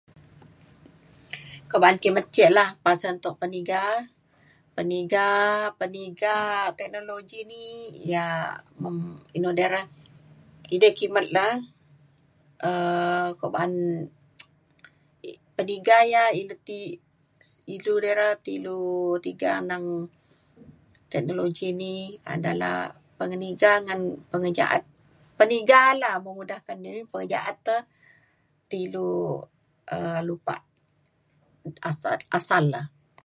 kuak ba’an kimet ce lah pasen tuk peniga peniga teknologi ni yak mem- inu de re edei kimet le um ko ba’an i- peniga ia’ ilu ti s- inu de re ti ilu tiga neng teknologi ni adalah pengeniga ngan pengejaat. peniga la memudahkan inu pe ja’at te ti ilu um lupak as- asal le